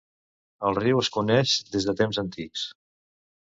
El riu es coneix des de temps antics.